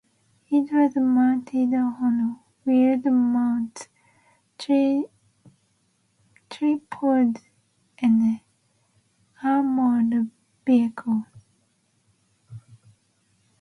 It was mounted on wheeled mounts, tripods and armored vehicles.